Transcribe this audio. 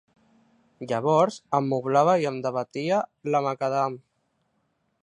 Llavors em moblava i em debatia la macadam.